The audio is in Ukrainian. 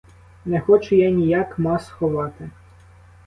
Не хочу я ніяк мас ховати.